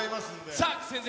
さあ、先生